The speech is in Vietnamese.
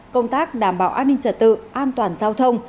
công tác đảm bảo an ninh trật tự an toàn giao thông